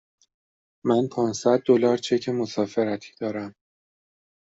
من پانصد دلار چک مسافرتی دارم.